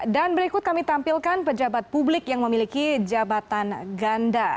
dan berikut kami tampilkan pejabat publik yang memiliki jabatan ganda